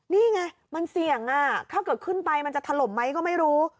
นี่ไงมันเสี่ยงถ้าเกิดขึ้นไปมันจะถล่มไหมก็ไม่รู้